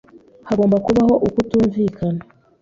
Hagomba kubaho ukutumvikana.